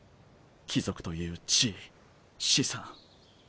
貴族という地位資産。